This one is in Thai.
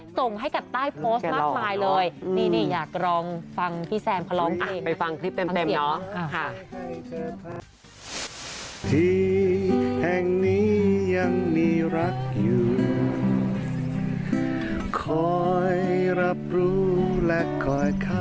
ส่งให้กับใต้โพสต์มากมายเลยนี่อยากลองฟังพี่แซมเขาร้องเพลง